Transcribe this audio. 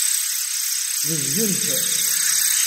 Tbezgemt.